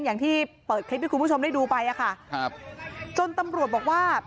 อย่างที่เปิดคลิปให้คุณผู้ชมได้ดูไปอ่ะค่ะครับจนตำรวจบอกว่า